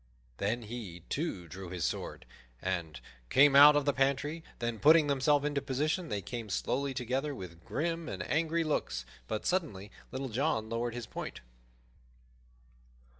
Then he, too, drew his sword and came out of the pantry; then, putting themselves into position, they came slowly together, with grim and angry looks; but suddenly Little John lowered his point.